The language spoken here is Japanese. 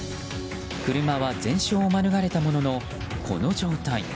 車は全焼を免れたもののこの状態。